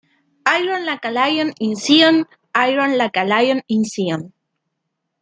Iron like a lion in Zion, iron like a lion in Zion.